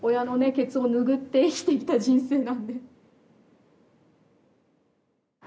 ケツを拭って生きてきた人生なんで。